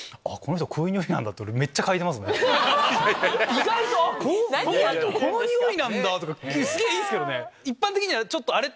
意外とこのニオイなんだ！とかすげぇいいっすけどね。